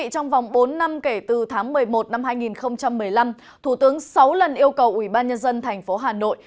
trong vòng bốn năm kể từ tháng một mươi một năm hai nghìn một mươi năm thủ tướng sáu lần yêu cầu ubnd tp hà nội